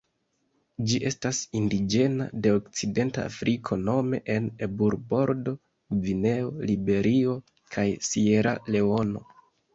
Ĝi estas indiĝena de Okcidenta Afriko nome en Eburbordo, Gvineo, Liberio kaj Sieraleono.